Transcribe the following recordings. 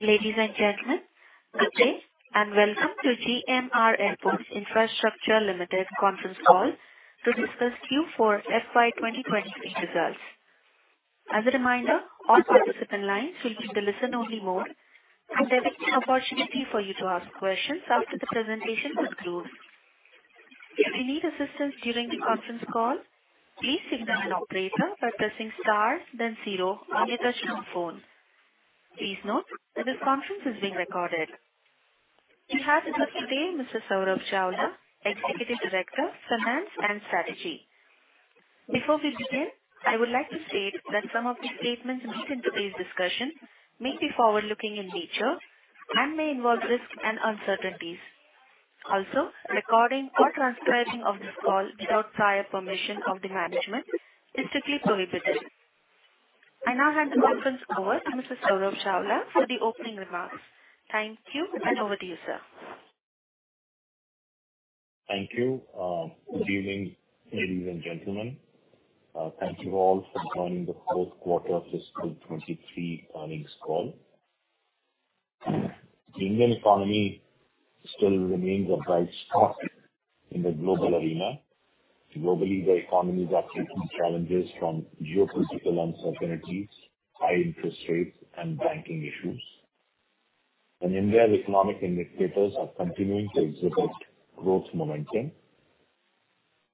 Ladies and gentlemen, good day, and welcome to GMR Airports Infrastructure Limited conference call to discuss Q4 FY 2023 results. As a reminder, all participant lines will be in the listen-only mode, and there will be an opportunity for you to ask questions after the presentation concludes. If you need assistance during the conference call, please signal an operator by pressing Star 0 on your touchtone phone. Please note that this conference is being recorded. We have with us today Mr. Saurabh Chawla, Executive Director, Finance and Strategy. Before we begin, I would like to state that some of the statements made in today's discussion may be forward-looking in nature and may involve risks and uncertainties. Recording or transcribing of this call without prior permission of the management is strictly prohibited. I now hand the conference over to Mr. Saurabh Chawla for the opening remarks. Thank you, and over to you, sir. Thank you. Good evening, ladies and gentlemen. Thank you all for joining the Q4 of fiscal 2023 earnings call. The Indian economy still remains a bright spot in the global arena. Globally, the economies are facing challenges from geopolitical uncertainties, high interest rates, and banking issues. In India, the economic indicators are continuing to exhibit growth momentum.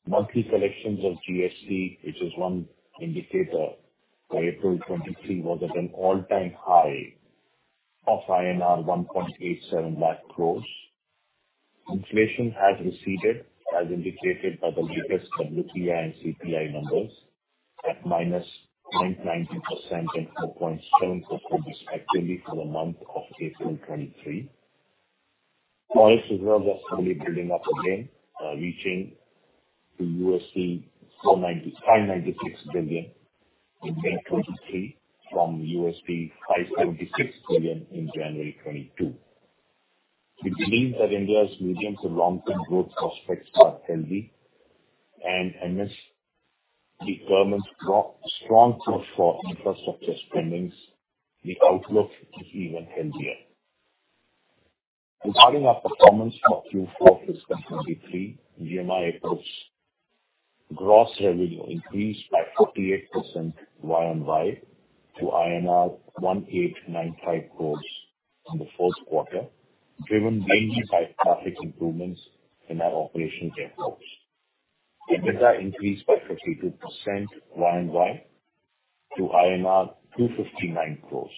Monthly collections of GST, which is one indicator by April 2023, was at an all-time high of INR 1.87 lakh crore. Inflation has receded, as indicated by the latest WPI and CPI numbers at -0.90% and 4.7% respectively for the month of April 2023. Foreign reserves are slowly building up again, reaching to $495.96 billion in May 2023 from $5.6 billion in January 2022. It means that India's medium to long-term growth prospects are healthy. Unless the government drops strong push for infrastructure spendings, the outlook is even healthier. Regarding our performance for Q4 fiscal 2023, GMR Airports' gross revenue increased by 48% YoY to INR 1,895 crores in the Q4, driven mainly by traffic improvements in our operational airports. EBITDA increased by 52% YoY to INR 259 crores.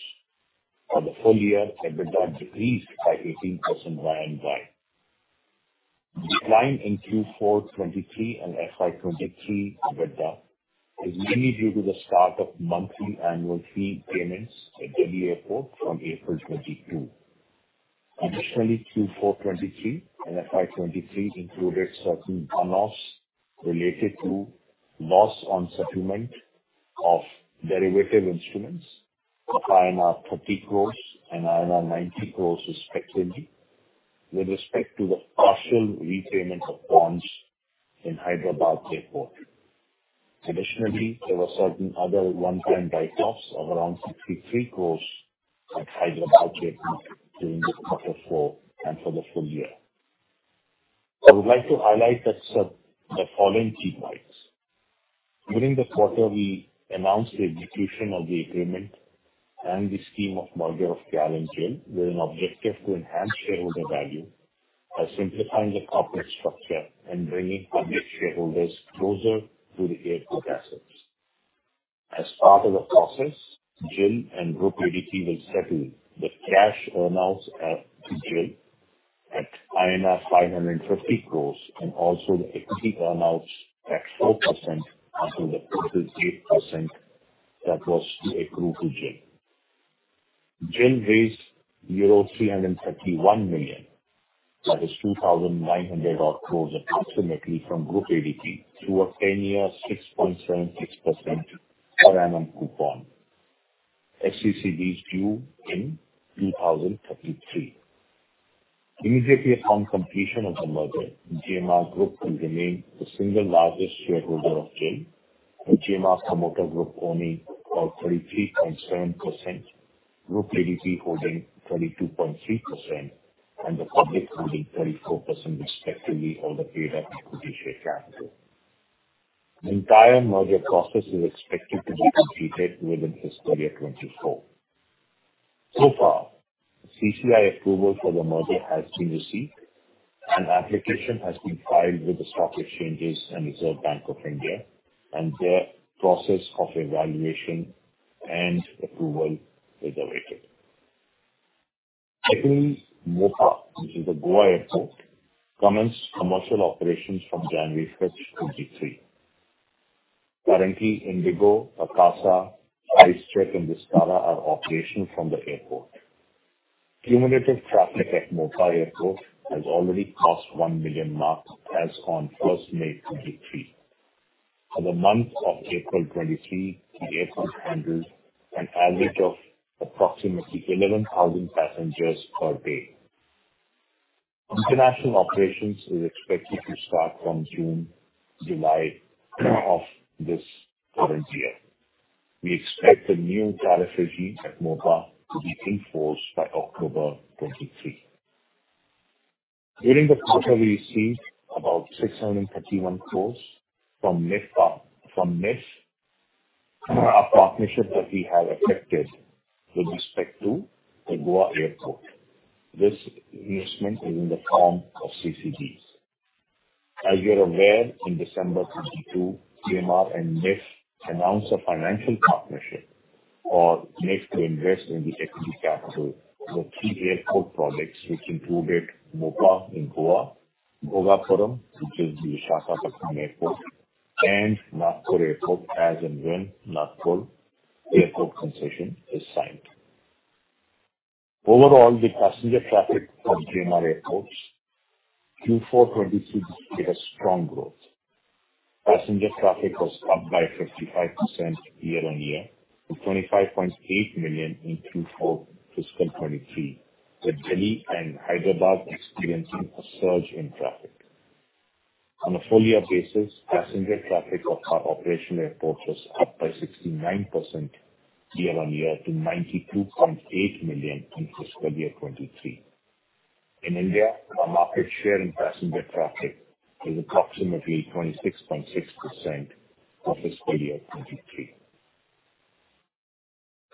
For the full year, EBITDA decreased by 18% YoY. Decline in Q4 2023 and FY 2023 EBITDA is mainly due to the start of monthly annual fee payments at Delhi Airport from April 2022. Q4 2023 and FY 2023 included certain one-offs related to loss on settlement of derivative instruments for INR 30 crores and INR 90 crores respectively, with respect to the partial repayment of bonds in Hyderabad Airport. There were certain other one-time write-offs of around 63 crores at Hyderabad Airport during the quarter four and for the full year. I would like to highlight the following key points. During the quarter, we announced the execution of the agreement and the scheme of merger of GAL and GIL, with an objective to enhance shareholder value by simplifying the corporate structure and bringing public shareholders closer to the airport assets. As part of the process, GIL and Groupe ADP will settle the cash earnouts to GIL at INR 550 crore, and also the equity earnouts at 4% up to the 38% that was to agree to GIL. GIL raised euro 331 million, that is 2,900 odd crore approximately from Groupe ADP through a 10-year, 6.76% per annum coupon. FCCB is due in 2033. Immediately upon completion of the merger, GMR Group will remain the single largest shareholder of GIL, with GMR promoter group owning around 33.7%, Groupe ADP holding 32.3%, and the public holding 34% respectively of the paid-up equity share capital. The entire merger process is expected to be completed within fiscal year 2024. CCI approval for the merger has been received, and application has been filed with the stock exchanges and Reserve Bank of India, and their process of evaluation and approval is awaited. Mopa, which is a Goa airport, commenced commercial operations from January 5, 2023. Currently, IndiGo, Akasa, Go First, and Vistara are operating from the airport. Cumulative traffic at Mopa Airport has already crossed 1 million marks as on May 1, 2023. For the month of April 2023, the airport handled an average of approximately 11,000 passengers per day. International operations is expected to start from June, July of this current year. We expect the new tariff regime at Mopa to be in force by October 2023. During the quarter, we received about ₹631 crore from NIIF, from NIIF, a partnership that we have affected with respect to the Goa Airport. This investment is in the form of CCDs. As you're aware, in December 2022, GMR and NIIF announced a financial partnership for NIIF to invest in the equity capital for 3 airport projects, which included Mopa in Goa, Bhogapuram, which is the Kolkata airport, and Nagpur Airport, as and when Nagpur Airport concession is signed. Overall, the passenger traffic for GMR Airports, Q4 '23, had a strong growth. Passenger traffic was up by 55% year-on-year to 25.8 million in Q4 fiscal '23, with Delhi and Hyderabad experiencing a surge in traffic. On a full year basis, passenger traffic of our operational airports was up by 69% year-on-year to 92.8 million in fiscal year '23. In India, our market share in passenger traffic is approximately 26.6% for fiscal year '23.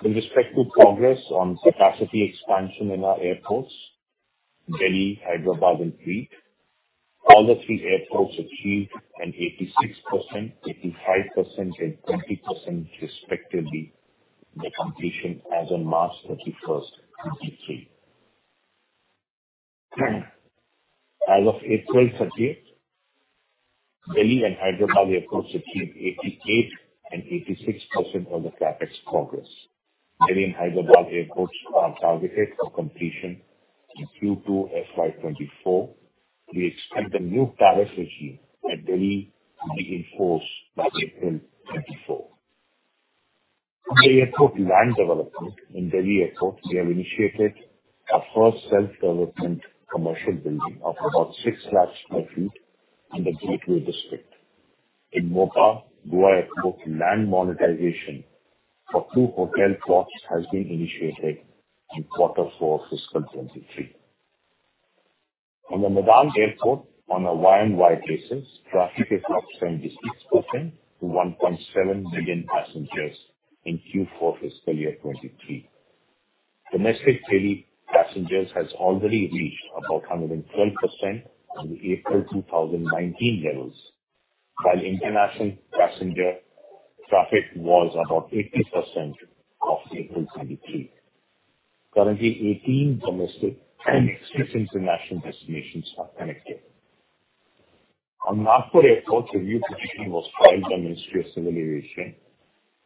With respect to progress on capacity expansion in our airports, Delhi, Hyderabad and Delhi, all the three airports achieved an 86%, 85% and 20% respectively, the completion as on March 31st, 2023. As of April 30th, Delhi and Hyderabad Airport achieved 88 and 86% on the CapEx progress. Delhi and Hyderabad airports are targeted for completion in Q2 FY24. We expect the new tariff regime at Delhi to be in force by April 2024. The airport land development in Delhi airport, we have initiated our first self-development commercial building of about 6 lakh sq ft in the gateway district. In Mopa, Goa Airport land monetization for 2 hotel plots has been initiated in Q4 FY23. In the Medan Airport, on a year-on-year basis, traffic is approximately 60% to 1.7 million passengers in Q4 FY23. Domestic Delhi passengers has already reached about 110% on the April 2019 levels, while international passenger traffic was about 80% of April 2023. Currently, 18 domestic and six international destinations are connected. On Nagpur Airport, review petition was filed by Ministry of Civil Aviation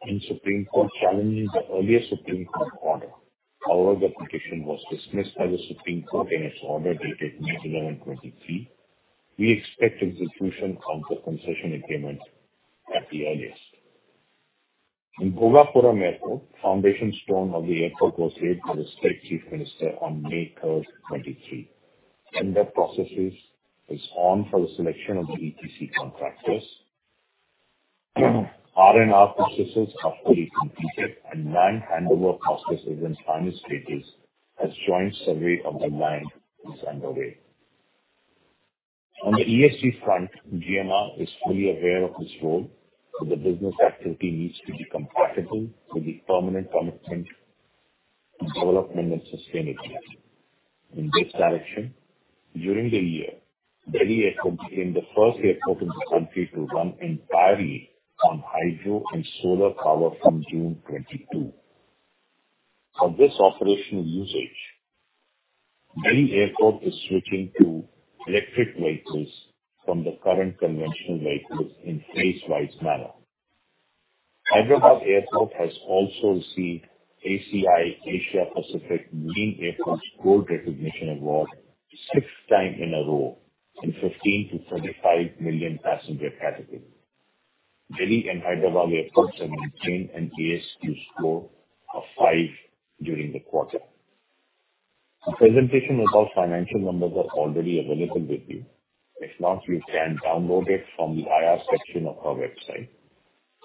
in Supreme Court challenging the earlier Supreme Court order. The petition was dismissed by the Supreme Court in its order dated May 11, 2023. We expect execution of the concession agreement at the earliest. In Bhogapuram Airport, foundation stone of the airport was laid by the State Chief Minister on May 3, 2023. Tender processes is on for the selection of the EPC contractors. R&R processes are fully completed, and land handover process is in final stages as joint survey of the land is underway. On the ESG front, GMR is fully aware of its role. The business activity needs to be compatible with the permanent commitment to development and sustainability. In this direction, during the year, Delhi Airport became the first airport in the country to run entirely on hydro and solar power from June 2022. For this operational usage, Delhi Airport is switching to electric vehicles from the current conventional vehicles in phase-wise manner. Hyderabad Airport has also received ACI Asia-Pacific Green Airports Recognition Gold Recognition Award sixth time in a row in 15 to 35 million passenger category. Delhi and Hyderabad airports have maintained an ASQ score of Five during the quarter. The presentation about financial numbers are already available with you. If not, you can download it from the IR section of our website.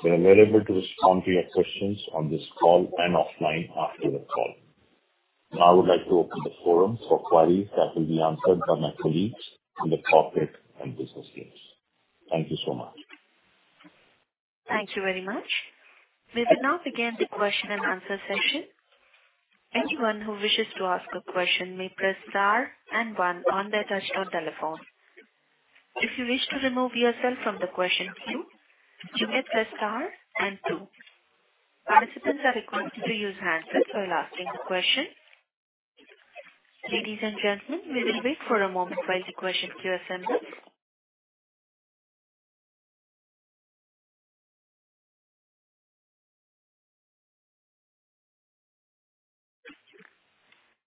We are available to respond to your questions on this call and offline after the call. I would like to open the forum for queries that will be answered by my colleagues in the corporate and business units. Thank you so much. Thank you very much. We will now begin the question and answer session. Anyone who wishes to ask a question may press star 1 on their touch or telephone. If you wish to remove yourself from the question queue, you may press star 2. Participants are requested to use handset while asking the question. Ladies and gentlemen, we will wait for a moment while the question queue assembles.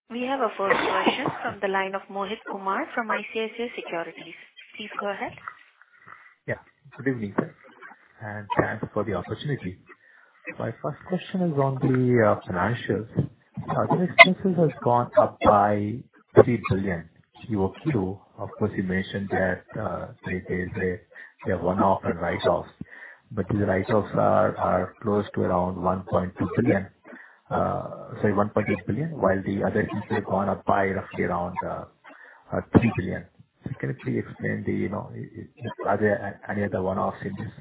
We have our first question from the line of Mohit Kumar from ICICI Securities. Please go ahead. Yeah, good evening, and thanks for the opportunity. My first question is on the financials. The expenses has gone up by 3 billion QOQ. Of course, you mentioned that there is a one-off and write-offs, but the write-offs are close to around 1.2 billion, sorry, 1.8 billion, while the other expenses have gone up by roughly around 3 billion. Can you please explain, you know, are there any other one-offs in this?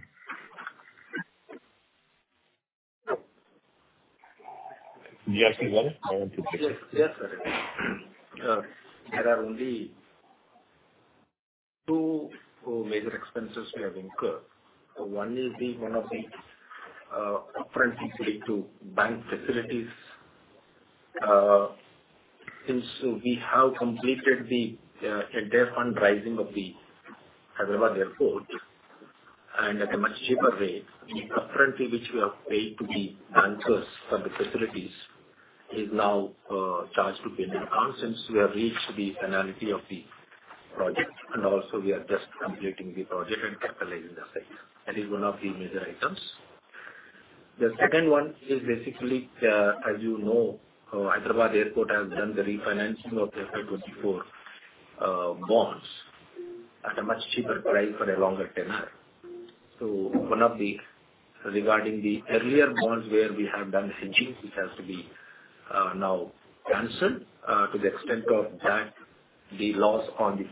Yes. Yes. Yes, sir. There are only two major expenses we have incurred. One is the one-off upfront fee to bank facilities. Since we have completed the debt fund raising of the Hyderabad Airport and at a much cheaper rate, the upfront fee which we have paid to the bankers for the facilities is now charged to PNL account since we have reached the finality of the project and also we are just completing the project and capitalizing the same. That is one of the major items. The second one is basically, as you know, Hyderabad Airport has done the refinancing of the 2024 bonds at a much cheaper price for a longer tenure. Regarding the earlier bonds where we have done hedging, which has to be now canceled. To the extent of that, the loss on the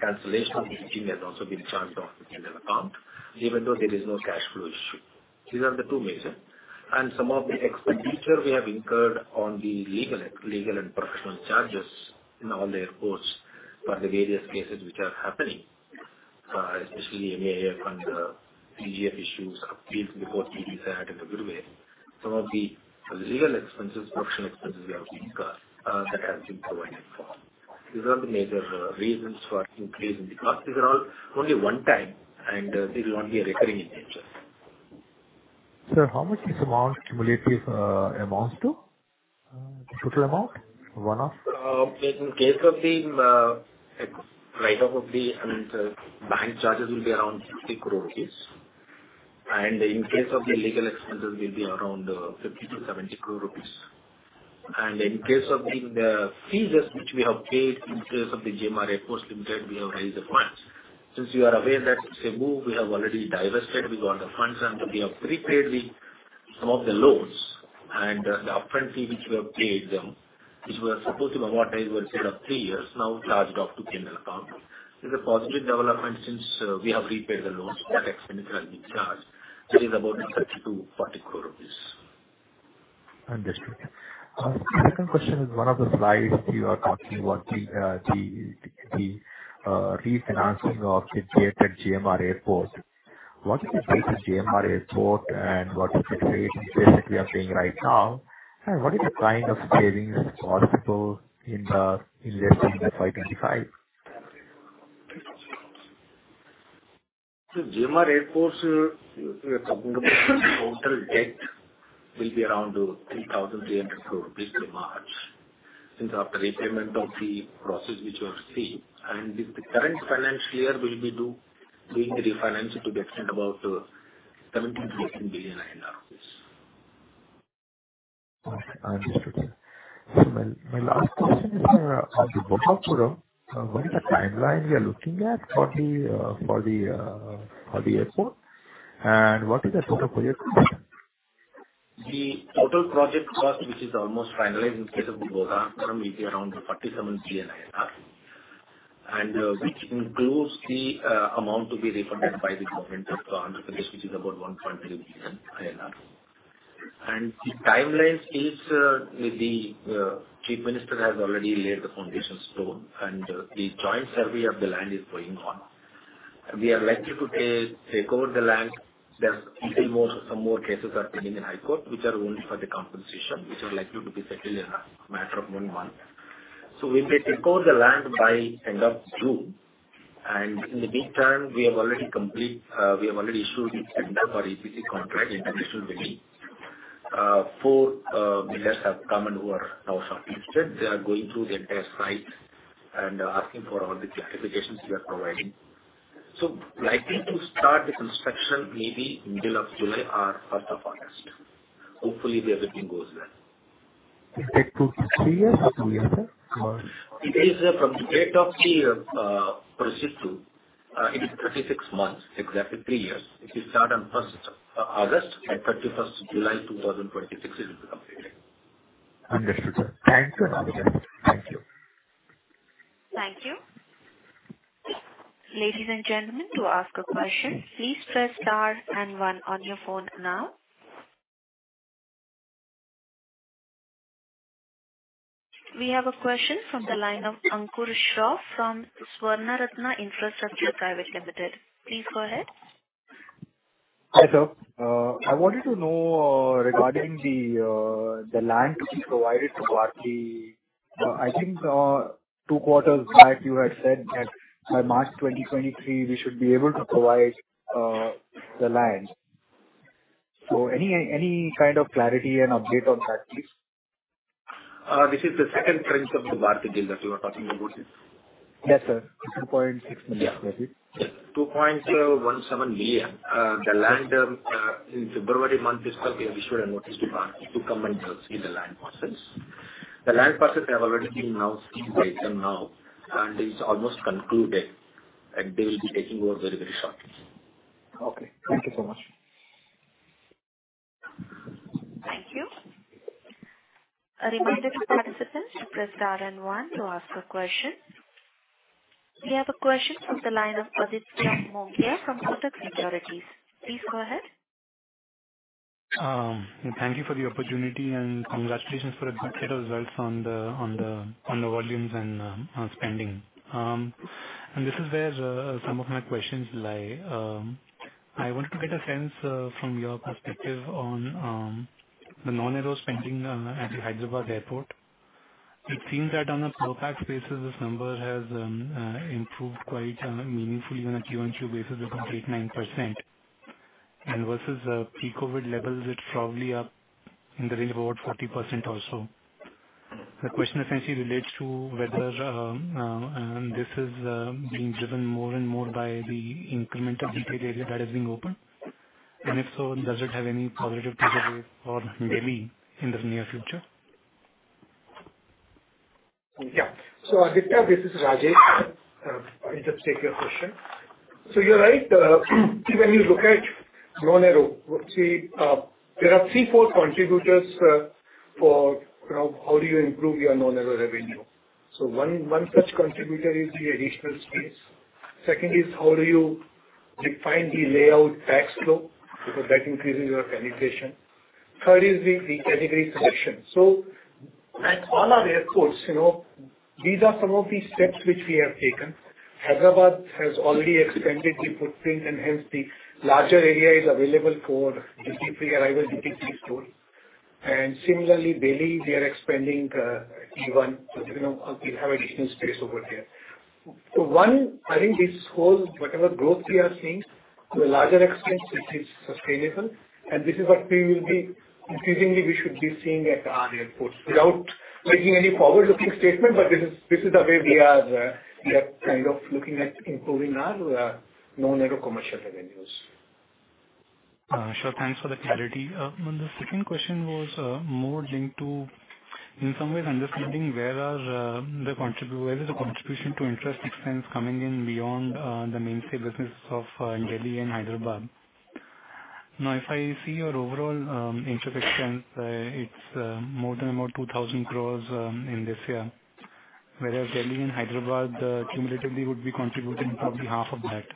cancellation of the hedging has also been charged off to PNL account, even though there is no cash flow issue. These are the two major. Some of the expenditure we have incurred on the legal and professional charges in all the airports for the various cases which are happening, especially AIF and the CGF issues, appeals before TDSAT had in a good way. Some of the legal expenses, functional expenses we have incurred, that have been provided for. These are the major reasons for increase in the cost. These are all only one time, and these are only a recurring nature. Sir, how much this amount cumulatively amounts to, the total amount, one-off? In case of the write-off of the bank charges will be around 60 crore rupees. In case of the legal expenses will be around 50-70 crore rupees. In case of the fees which we have paid in case of the GMR Airports Limited, we have raised the funds. Since you are aware that Cebu we have already divested, we got the funds and we have prepaid the some of the loans and the upfront fee which we have paid them, which were supposed to amortize over a period of Three years, now charged off to PNL account. This is a positive development since we have repaid the loan, that expense has been charged. That is about INR 30-40 crore. Understood. Second question is, one of the slides you are talking about the refinancing of the debt at GMR Airports. What is the rate of GMR Airports, and what is the current rate that we are paying right now, and what is the kind of savings possible let's say, by 2025? GMR Airports, we are talking about total debt will be around 3,300 crore rupees through March, since after repayment of the process, which you have seen, and the current financial year will be due doing the refinance to the extent about INR 17 billion-INR 18 billion. Understood. My last question is on the Bhogapuram, what is the timeline we are looking at for the airport, and what is the total project cost? The total project cost, which is almost finalized in case of Bhogapuram, will be around 47 billion INR, which includes the amount to be refunded by the government of under this, which is about 1.3 billion INR. The timelines is, the Chief Minister has already laid the foundation stone, the joint survey of the land is going on. We are likely to take over the land. There's even more, some more cases are pending in High Court, which are only for the compensation, which are likely to be settled in a matter of 1 month. We may take over the land by end of June, in the meantime, we have already issued the tender for EPC contract in traditional degree. 4 bidders have come who are now shortlisted. They are going through the entire site and asking for all the clarifications we are providing. Likely to start the construction maybe middle of July or first of August. Hopefully, everything goes well. It take two-three years or Two years, or? It is from the date of the proceed to it is 36 months, exactly three years. If you start on 1st August and 31st of July, 2026, it will be completed. Understood, sir. Thank you very much. Thank you. Thank you. Ladies and gentlemen, to ask a question, please press star and one on your phone now. We have a question from the line of Ankur Shah from Swarnaratna Infrastructure Private Limited. Please go ahead. Hi, sir. I wanted to know, regarding the land which is provided to Barclays. I think, 2Q back, you had said that by March 2023, we should be able to provide, the land. Any kind of clarity and update on that, please? This is the second tranche of the Bharti deal that you are talking about it? Yes, sir. 2.6 million. Yeah. 2.17 billion. The land, in February this year, we have issued a notice to Bharti to come and see the land parcels. The land parcels have already been now seen by them now, and it's almost concluded, and they will be taking over very, very shortly. Okay. Thank you so much. Thank you. A reminder to participants to press star and 1 to ask a question. We have a question from the line of Aditya Mongia, from Kotak Securities. Please go ahead. Thank you for the opportunity and congratulations for a good set of results on the volumes and on spending. This is where some of my questions lie. I want to get a sense from your perspective on the non-aero spending at the Hyderabad Airport. It seems that on a through pack basis, this number has improved quite meaningfully. On a Q-on-Q basis, it's up to 8.9%. Versus pre-COVID levels, it's probably up in the range of about 40% or so. The question essentially relates to whether this is being driven more and more by the incremental duty-free area that has been opened. If so, does it have any positive takeaway for Delhi in the near future? Yeah. Aditya, this is Rajesh. I'll just take your question. You're right. When you look at non-aero, we see, there are three, four contributors, for, you know, how do you improve your non-aero revenue. One such contributor is the additional space. Second is how do you refine the layout tax flow, because that increases your monetization. Third is the category selection. At all our airports, you know, these are some of the steps which we have taken. Hyderabad has already expanded the footprint, and hence the larger area is available for duty-free arrival, duty-free store. Similarly, Delhi, we are expanding T1, so, you know, we have additional space over there. I think this whole, whatever growth we are seeing, to a larger extent, it is sustainable, and this is what we will be... Increasingly, we should be seeing at our airports. Without making any forward-looking statement, this is the way we are kind of looking at improving our non-aero commercial revenues. Sure. Thanks for the clarity. The second question was more linked to, in some ways understanding where is the contribution to interest expense coming in beyond the mainstay business of in Delhi and Hyderabad. Now, if I see your overall interest expense, it's more than about 2,000 crore in this year. Whereas Delhi and Hyderabad cumulatively would be contributing probably half of that.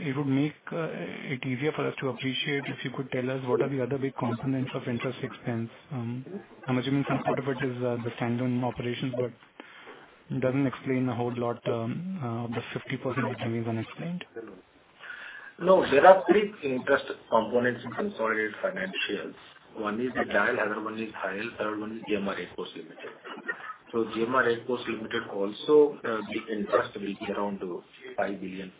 It would make it easier for us to appreciate if you could tell us what are the other big components of interest expense. I'm assuming some part of it is the standalone operations, but it doesn't explain a whole lot, the 50% which we've unexplained. There are three interest components in consolidated financials. One is the DIAL, other one is DIAL, third one, GMR Airports Limited. GMR Airports Limited also, the interest will be around five billion.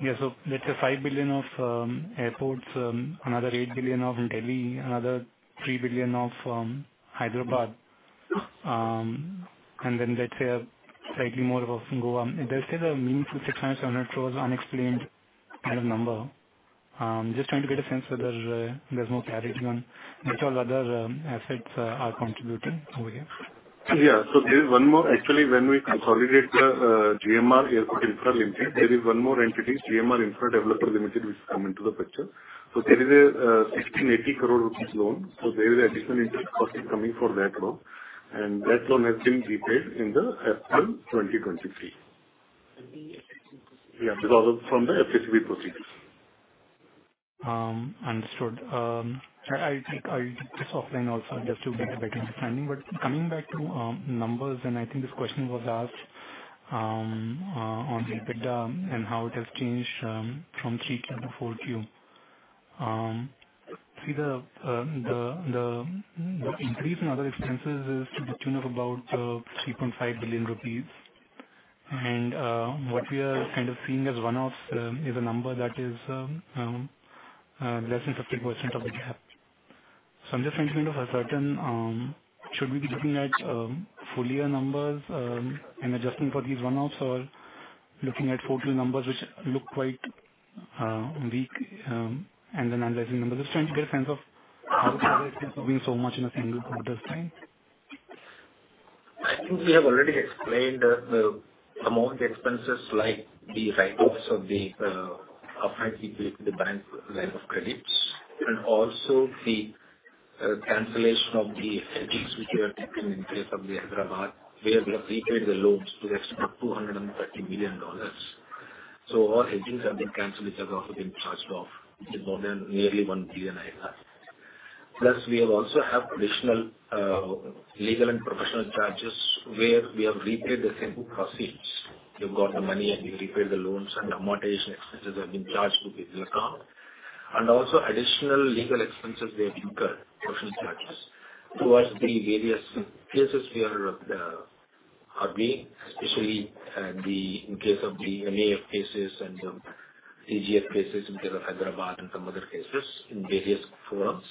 Yeah. Let's say five billion of airports, another 8 billion of Delhi, another 3 billion of Hyderabad. Then let's say slightly more of Goa. There's still a meaningful 600-700 crores unexplained kind of number. Just trying to get a sense whether there's more clarity on which all other assets are contributing over here. Yeah. There is one more. Actually, when we consolidate GMR Airports Infrastructure Limited, there is one more entity, GMR Airports Developers Limited, which come into the picture. There is a 1,680 crore rupees loan. There is additional interest cost coming for that loan, and that loan has been repaid in the FY 2023. The FCCB. Yeah, because from the FCCB proceeds. Understood. I think I'll discuss offline also, just to get a better understanding. Coming back to numbers, and I think this question was asked on EBITDA and how it has changed from three to the 4Q. See the increase in other expenses is to the tune of about 3.5 billion rupees. What we are kind of seeing as one-offs is a number that is less than 50% of the gap. I'm just trying to kind of ascertain, should we be looking at full year numbers, and adjusting for these runoffs, or looking at full Q numbers, which look quite weak, and then underlying numbers? Just trying to get a sense of how it can be so much in a single quarter's time. I think we have already explained the amount of expenses, like the write-offs of the upfront we paid to the bank line of credits, and also the cancellation of the hedgings which we have taken in case of the Hyderabad, where we have repaid the loans to the extent of $230 million. All hedgings have been canceled, which have also been charged off, to more than nearly 1 billion. Plus, we have also additional legal and professional charges, where we have repaid the same proceedings. You've got the money, and you repay the loans, and amortization expenses have been charged to the account. Also additional legal expenses we have incurred, professional charges, towards the various cases we are... are being, especially, the in case of the MAF cases and the TGF cases in case of Hyderabad and some other cases in various forums.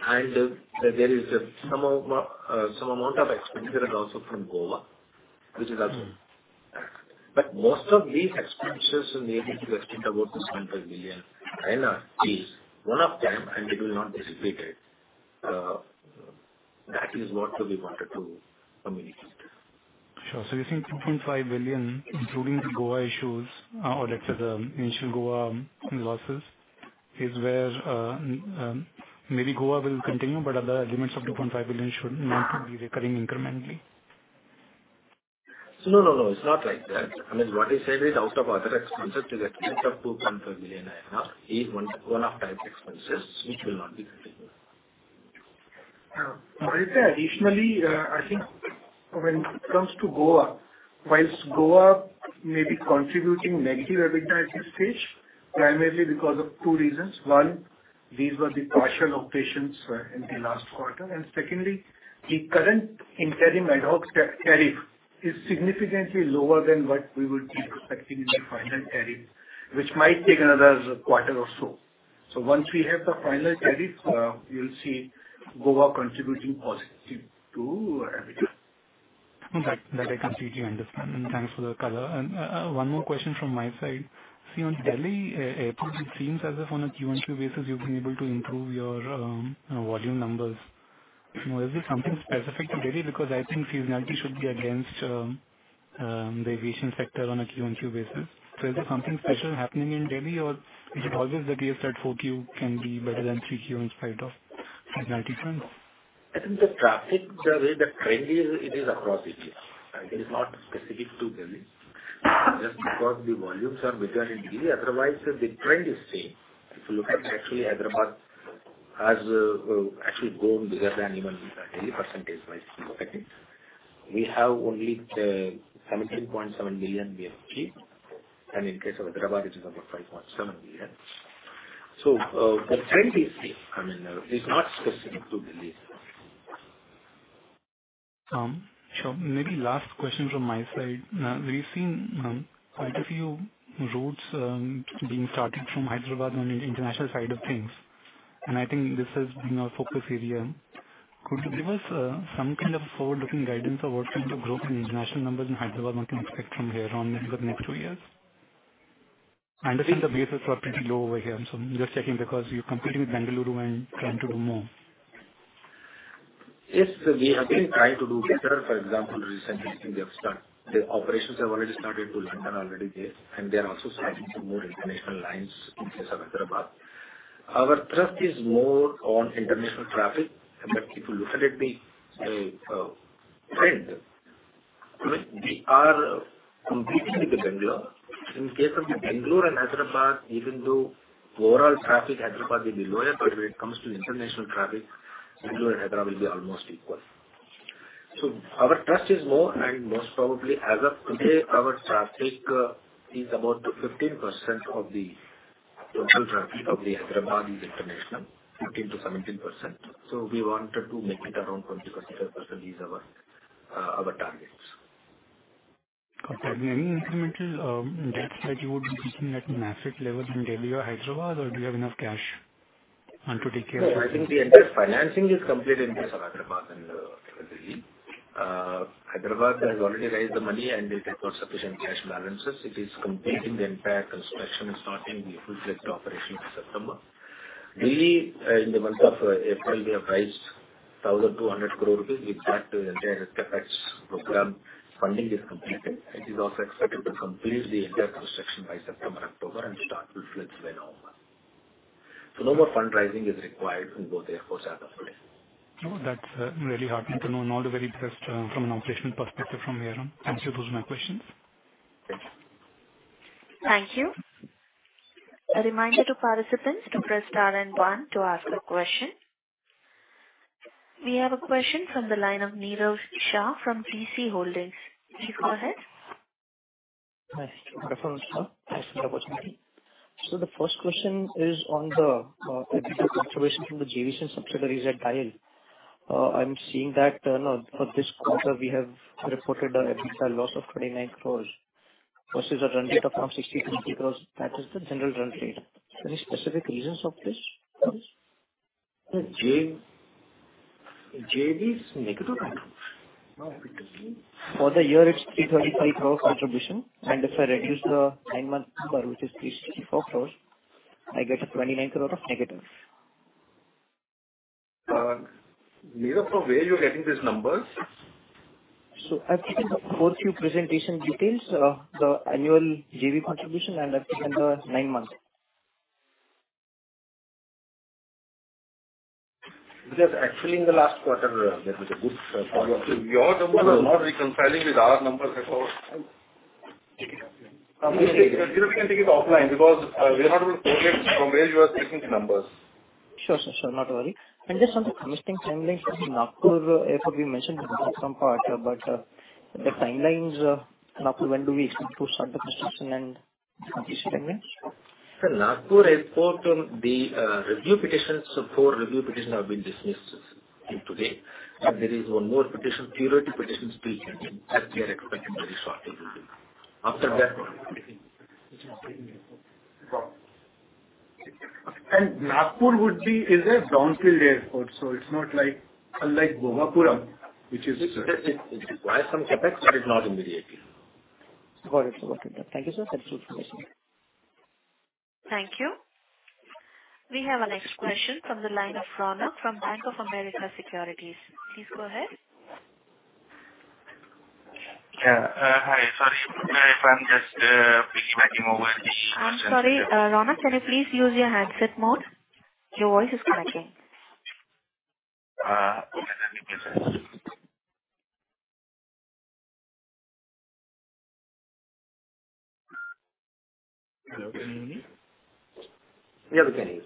There is some amount of expenditure and also from Goa, which is also. Most of these expenditures in the about 2.5 billion INR is one-off time, and it will not be repeated. That is what we wanted to communicate. Sure. You're saying 2.5 billion, including the Goa issues, or let's say, the initial Goa losses, is where, maybe Goa will continue, but other elements of 2.5 billion should not be recurring incrementally? no, no, it's not like that. I mean, what I said is, out of other expenses, you get 2.5 million is one-off type expenses, which will not be repeated. Additionally, I think when it comes to Goa, while Goa may be contributing negative EBITDA at this stage, primarily because of two reasons. One, these were the partial operations, in the last quarter. Secondly, the current interim ad hoc tariff is significantly lower than what we would be expecting in the final tariff, which might take another quarter or so. Once we have the final tariff, we'll see Goa contributing positive to EBITDA. Okay. That I completely understand, thanks for the color. One more question from my side. See, on Delhi Airport, it seems as if on a Q1Q basis, you've been able to improve your volume numbers. Is it something specific to Delhi? Because I think seasonality should be against the aviation sector on a Q1Q basis. Is there something special happening in Delhi, or is it always the case that four Q can be better than three Q in spite of seasonality trends? I think the traffic, the way the trend is, it is across India. It is not specific to Delhi. Just because the volumes are bigger in Delhi, otherwise the trend is same. If you look at actually Hyderabad has actually grown bigger than even Delhi percentage-wise. We have only 17.7 million pax, and in case of Hyderabad, it is about 5.7 million. The trend is same. I mean, it's not specific to Delhi. Sure. Maybe last question from my side. Now, we've seen, quite a few routes, being started from Hyderabad on the international side of things, and I think this has been our focus area. Could you give us some kind of forward-looking guidance on what kind of growth in international numbers in Hyderabad one can expect from here on in the next two years? I understand the bases are pretty low over here, so I'm just checking because you're competing with Bengaluru and trying to do more. Yes, we have been trying to do better. For example, recently, I think we have The operations have already started to London already there, and they are also starting some more international lines in case of Hyderabad. Our trust is more on international traffic, and that if you look at it, the trend, I mean, we are competing with Bengaluru. In case of Bengaluru and Hyderabad, even though overall traffic Hyderabad will be lower, but when it comes to international traffic, Bengaluru and Hyderabad will be almost equal. Our trust is more and most probably as of today, our traffic is about 15% of the total traffic of the Hyderabad is international, 15%-17%. We wanted to make it around 25%. These are our targets. Are there any incremental debts that you would be looking at an asset level in Delhi or Hyderabad, or do you have enough cash on to take care of? I think the entire financing is complete in case of Hyderabad and Delhi. Hyderabad has already raised the money, and they got sufficient cash balances. It is completing the entire construction and starting the full flight operation in September. Delhi, in the month of April, we have raised 1,200 crore rupees. With that, the entire effects program funding is completed. It is also expected to complete the entire construction by September, October, and start with flights by November. No more fundraising is required in both the airports as of today. Oh, that's really heartening to know and all the very best from an operational perspective from here on. Thank you. Those are my questions. Thank you. A reminder to participants to press Star and one to ask a question. We have a question from the line of Nirav Shah from PGIM India. Please go ahead. Hi, good afternoon, sir. Thanks for the opportunity. The first question is on the EBITDA contribution from the JVs and subsidiaries at DIAL. I'm seeing that for this quarter, we have reported an EBITDA loss of 29 crore versus a run rate of around 63 crore. That is the general run rate. Any specific reasons of this? The J.V., J.V. is negative? For the year, it's 325 crores contribution, and if I reduce the 9-month number, which is 364 crores, I get an 29 crore of negative. Nirav, from where you're getting these numbers? I've taken the Q4 presentation details, the annual JV contribution, and I've taken the 9 months. Actually, in the last quarter, that was a good quarter. Your numbers are not reconciling with our numbers at all. We can take it offline because we're not able to correlate from where you are taking the numbers. Sure. Not worry. Just on the forthcoming timeline for Nagpur, if we mentioned in some part, the timelines, Nagpur, when do we expect to start the construction? Sir, Nagpur Airport on the review petitions. four review petitions have been dismissed today, and there is 1 more petition, purity petition, still pending at the airport. Nagpur is a downfield airport, so it's not like, unlike Bhogapuram, it requires some effects, but it's not immediately. Got it. Got it. Thank you, sir. Thank you for the information. Thank you. We have our next question from the line of Ronald, from Bank of America Securities. Please go ahead. Yeah. Hi. Sorry if I'm just piggybacking over. I'm sorry, Ronald, can you please use your handset mode? Your voice is cracking. Okay, let me do that. Hello, can you hear me? Yeah, we can hear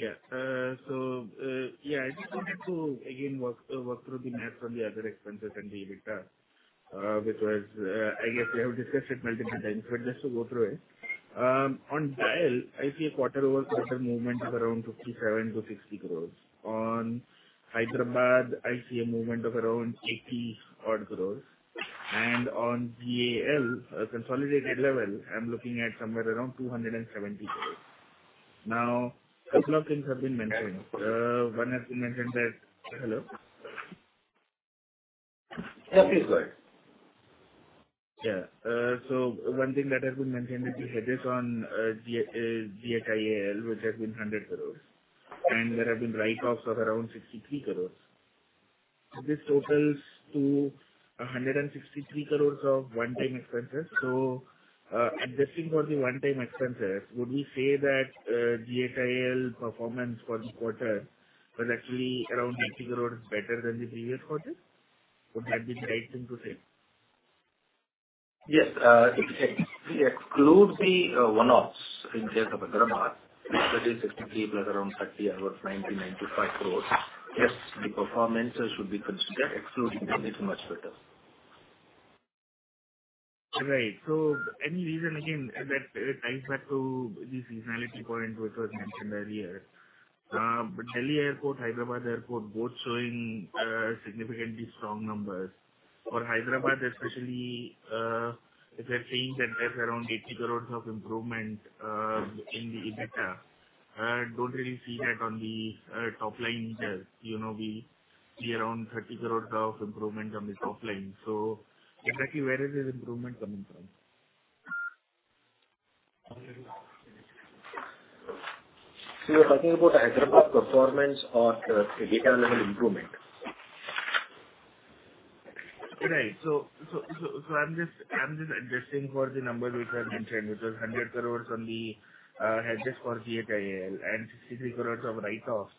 you. I just wanted to again work through the math on the other expenses and the EBITDA, which was. I guess we have discussed it multiple times, but just to go through it. On DIAL, I see a quarter-over-quarter movement of around 57-60 crore. On Hyderabad, I see a movement of around 80-odd crore, and on GAL, a consolidated level, I'm looking at somewhere around 270 crore. A couple of things have been mentioned. One has been mentioned that. Hello? Yeah, please go ahead. Yeah. One thing that has been mentioned is the hedges on GHIAL, which has been 100 crore, and there have been write-offs of around 63 crore. This totals to 163 crore of one-time expenses. Adjusting for the one-time expenses, would we say that GHIAL performance for the quarter was actually around 80 crore better than the previous quarter? Would that be the right thing to say? Yes, if we exclude the one-offs in terms of Agaramar, that is 60 plus around 30 or 90-95 crores. Yes, the performances should be considered, excluding it, much better. Right. Any reason, again, that ties back to the seasonality point, which was mentioned earlier? Delhi Airport, Hyderabad Airport, both showing significantly strong numbers. For Hyderabad especially, if they're saying that there's around 80 crore of improvement in the EBITDA, I don't really see that on the top line there. You know, we see around 30 crore of improvement on the top line. Exactly where is this improvement coming from? You're talking about Hyderabad performance or the data level improvement? Right. I'm just adjusting for the numbers which are mentioned, which was 100 crore on the hedges for GHIAL, and 63 crore of write-offs,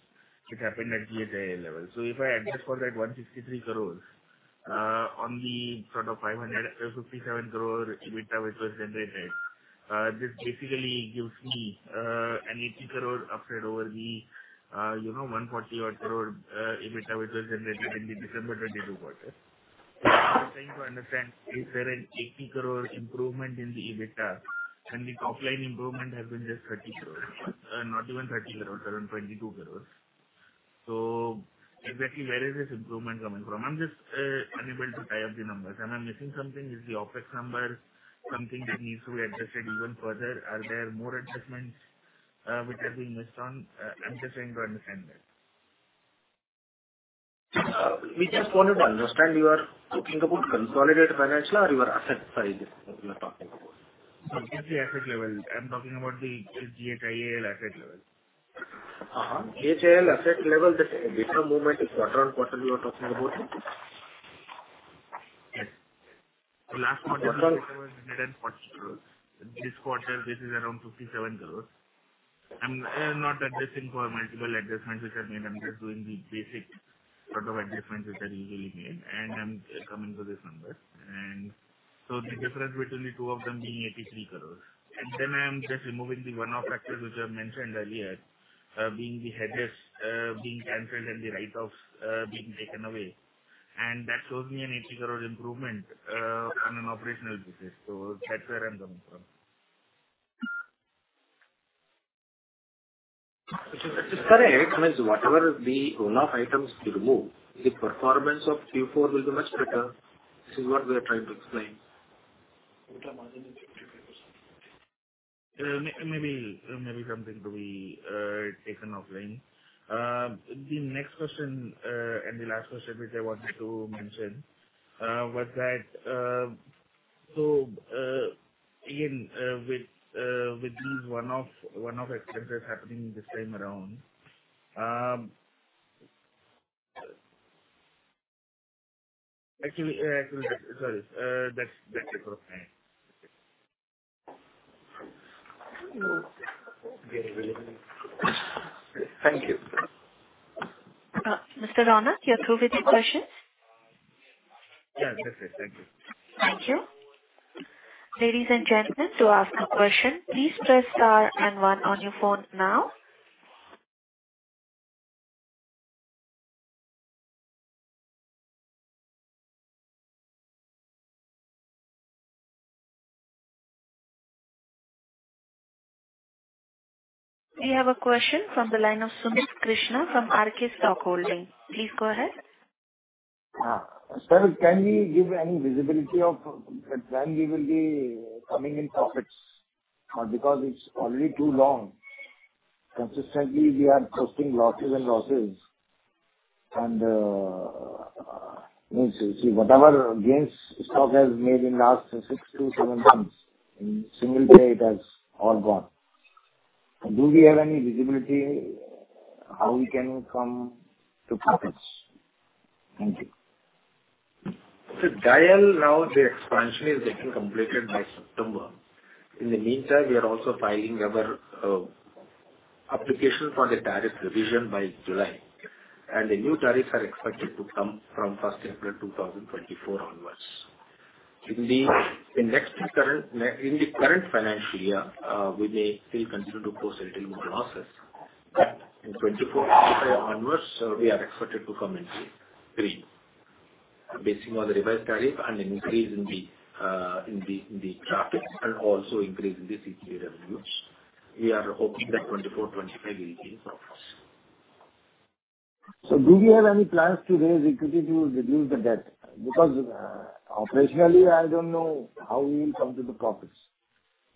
which happened at GHIAL level. If I adjust for that 163 crore on the sort of 557 crore EBITDA, which was generated, this basically gives me an 80 crore upside over the, you know, 140-odd crore EBITDA, which was generated in the December 2022 quarter. I'm trying to understand, is there an 80 crore improvement in the EBITDA, and the top line improvement has been just 30 crore? Not even 30 crore, around 22 crore. Exactly where is this improvement coming from? I'm just unable to tie up the numbers. Am I missing something? Is the OpEx number something that needs to be adjusted even further? Are there more adjustments which are being missed on? I'm just trying to understand that. We just wanted to understand, you are talking about consolidated financial or you are asset size, you are talking about? At the asset level. I'm talking about the GHIAL asset level. GHIAL asset level, the EBITDA movement is what around quarter we were talking about? Yes. The last quarter was INR 140 crore. This quarter, this is around INR 57 crore. I'm not addressing for multiple adjustments which are made. I'm just doing the basic sort of adjustments which are usually made, and I'm coming to this number. The difference between the two of them being 83 crore. I'm just removing the one-off factors, which I mentioned earlier, being the hedges, being canceled and the write-offs, being taken away. That shows me an 80 crore improvement on an operational basis. That's where I'm coming from. Which is correct, means whatever is the one-off items you remove, the performance of Q4 will be much better. This is what we are trying to explain. Maybe something to be taken offline. The next question, and the last question, which I wanted to mention, was that, so, again, with these one-off expenses happening this time around. Actually, sorry, that's it for time. Thank you. Mr. Ronald, you're through with your questions? Yes, that's it. Thank you. Thank you. Ladies and gentlemen, to ask a question, please press Star and one on your phone now. We have a question from the line of Sumit Krishna from RK Stock Holding. Please go ahead. Sir, can we give any visibility of what time we will be coming in profits? Because it's already too long. Consistently, we are posting losses and losses. Means, see, whatever gains stock has made in the last six to seven months, in single day it has all gone. Do we have any visibility, how we can come to profits? Thank you. Delhi now, the expansion is getting completed by September. In the meantime, we are also filing our application for the tariff revision by July, the new tariffs are expected to come from first April 2024 onwards. In the current financial year, we may still continue to post a little more losses. In 2024, onwards, we are expected to come into green, basing on the revised tariff and increase in the traffic and also increase in the CPA revenues. We are hoping that 2024, 2025 will be in profits. Do we have any plans to raise equity to reduce the debt? Operationally, I don't know how we will come to the profits,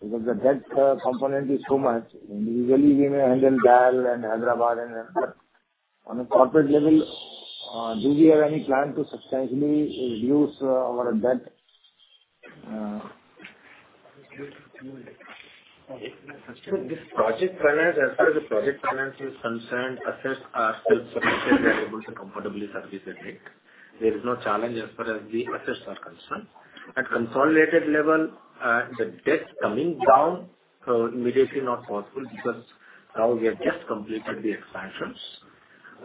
because the debt component is so much. Individually, we may handle Delhi and Hyderabad, and on a corporate level, do we have any plan to substantially reduce our debt? This project finance, as far as the project finance is concerned, assets are still sufficient and able to comfortably service the debt. There is no challenge as far as the assets are concerned. At consolidated level, the debt coming down immediately not possible because now we have just completed the expansions.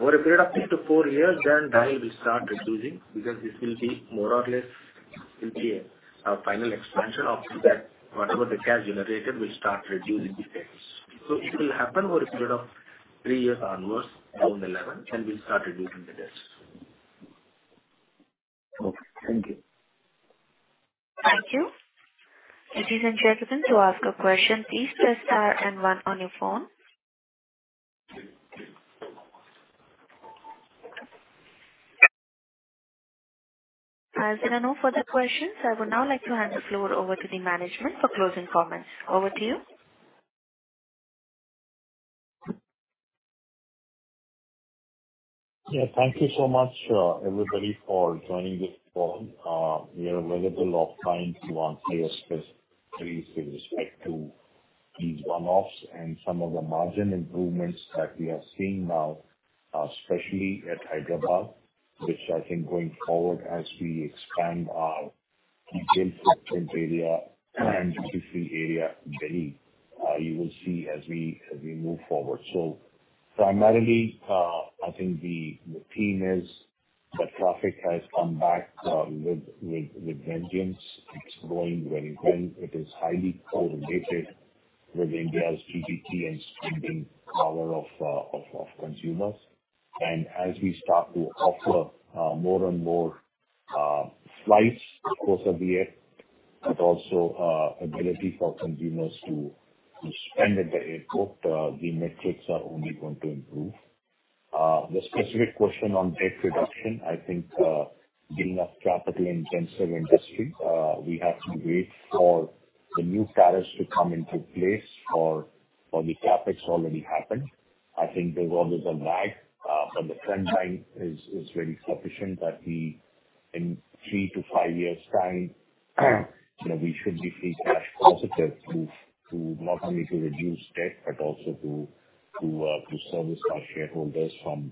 Over a period of three to four years, debt will start reducing because this will be more or less will be our final expansion of the debt. Whatever the cash generated will start reducing the debts. It will happen over a period of three years onwards, down the level, and we'll start reducing the debts. Okay. Thank you. Thank you. Ladies and gentlemen, to ask a question, please press star and one on your phone. There are no further questions, I would now like to hand the floor over to the management for closing comments. Over to you. Yeah. Thank you so much, everybody, for joining this call. We are available offline to answer your queries with respect to the one-offs and some of the margin improvements that we are seeing now, especially at Hyderabad, which I think going forward as we expand our retail footprint area and DC area, Delhi, you will see as we move forward. Primarily, I think the theme is that traffic has come back with vengeance. It's growing very well. It is highly correlated with India's GDP and spending power of consumers. As we start to offer more and more flights, of course, at the end, but also ability for consumers to spend at the airport, the metrics are only going to improve. The specific question on debt reduction, I think, being a capital-intensive industry, we have to wait for the new tariffs to come into place for the CapEx already happened. I think there was a lag, the trend line is very sufficient that we in three to five years time, you know, we should be free cash positive to not only to reduce debt, but also to service our shareholders from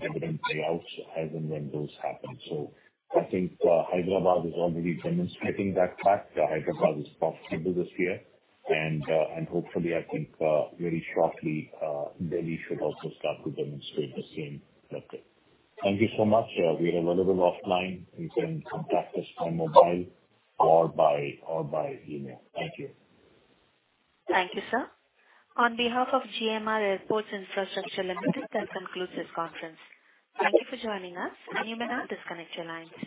dividend payouts as and when those happen. I think Hyderabad is already demonstrating that fact. Hyderabad is profitable this year hopefully, I think, very shortly, Delhi should also start to demonstrate the same metric. Thank you so much. We are available offline. You can contact us on mobile or by email. Thank you. Thank you, sir. On behalf of GMR Airports Infrastructure Limited, that concludes this conference. Thank you for joining us. You may now disconnect your lines.